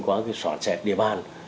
qua soát xét địa bàn